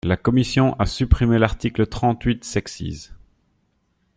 La commission a supprimé l’article trente-huit sexies.